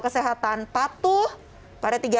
kesehatan patuh pada